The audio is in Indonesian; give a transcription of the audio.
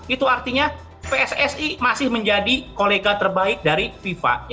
itu artinya pssi masih menjadi kolega terbaik dari fifa